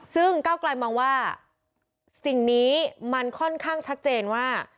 ซึ่งก้าวกลายมองว่าสิ่งนี้มันค่อนข้างชัดเจนว่า